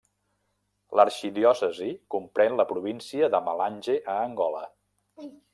L'arxidiòcesi comprèn la província de Malanje a Angola.